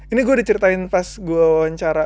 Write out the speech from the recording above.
ini gue udah ceritain pas gue wawancara